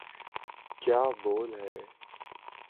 کیا بول ہیں۔